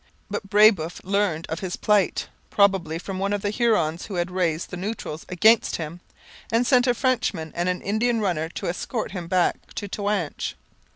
But Brebeuf learned of his plight, probably from one of the Hurons who had raised the Neutrals against him, and sent a Frenchman and an Indian runner to escort him back to Toanche.